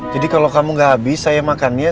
jadi kalau kamu enggak habis saya makannya